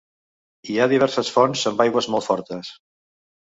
Hi ha diverses fonts amb aigües molt fortes.